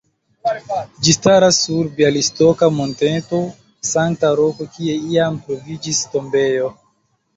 Ĝi staras sur bjalistoka monteto Sankta Roko kie iam troviĝis tombejo.